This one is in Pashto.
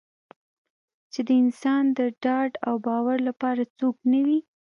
چې د انسان د ډاډ او باور لپاره څوک نه وي.